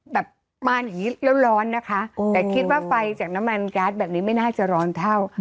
แบบมาอีกแล้วร้อนนะคะแต่คิดว่าไฟจากน้ำมันแก๊สแบบนี้ไม่น่าจะร้อนเท่า